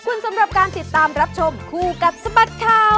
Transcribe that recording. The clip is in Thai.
คุณสำหรับการติดตามรับชมคู่กับสบัดข่าว